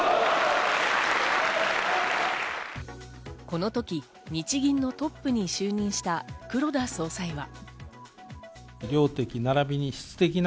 このとき、日銀のトップに就任した黒田総裁は。